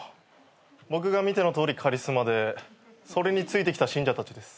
僕が見てのとおりカリスマでそれについてきた信者たちです。